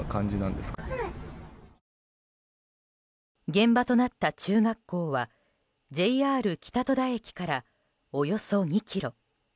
現場となった中学校はＪＲ北戸田駅からおよそ２ｋｍ。